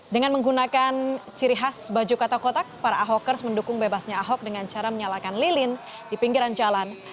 dengan menggunakan ciri khas baju kata kotak para ahokers mendukung bebasnya ahok dengan cara menyalakan lilin di pinggiran jalan